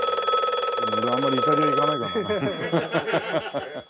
でも俺あんまりイタリア行かないからな。